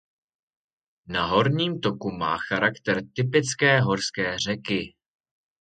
Na horním toku má charakter typické horské řeky.